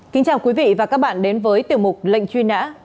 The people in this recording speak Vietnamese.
kính chào quý vị và các bạn đến với tiểu mục lệnh truy nã